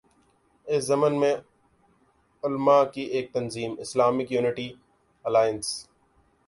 اس ضمن میں علما کی ایک تنظیم ”اسلامک یونٹی الائنس“